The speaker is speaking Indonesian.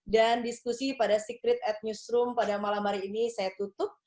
dan diskusi pada secret at newsroom pada malam hari ini saya tutup